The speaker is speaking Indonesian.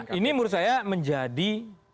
nah ini menurut saya menjadi